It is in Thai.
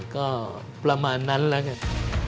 ก็ประมาณนั้นแล้วไง